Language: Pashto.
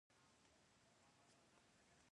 لیرې ځئ